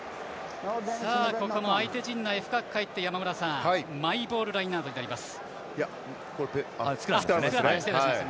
ここも相手陣内、深く入ってマイボールスクラムになります。